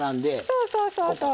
そうそうそうそう。